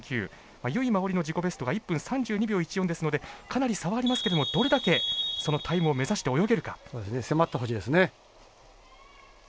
由井真緒里の自己ベストが１分３２秒１４ですのでかなり差はありますけどどれだけ、そのタイムを目指して迫ってほしいですね。